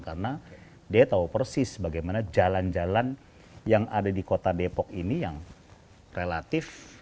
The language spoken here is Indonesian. karena dia tau persis bagaimana jalan jalan yang ada di kota depok ini yang relatif